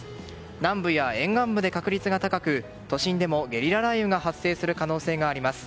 南部や沿岸部で確率が高く都心でもゲリラ雷雨が発生する可能性があります。